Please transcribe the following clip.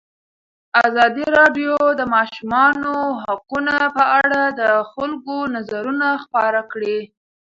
ازادي راډیو د د ماشومانو حقونه په اړه د خلکو نظرونه خپاره کړي.